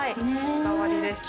こだわりです。